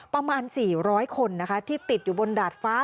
ประมาณ๔๐๐คนนะคะที่ติดอยู่บนดาดฟ้า